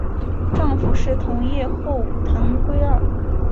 丈夫是同业后藤圭二。